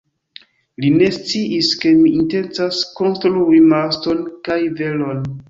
Li ne sciis, ke mi intencas konstrui maston kaj velon.